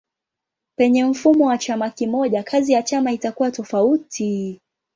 Penye mfumo wa chama kimoja kazi ya chama itakuwa tofauti.